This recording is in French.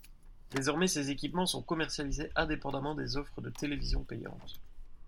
Désormais, ces équipements sont commercialisés indépendamment des offres de télévision payante.